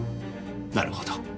なるほど。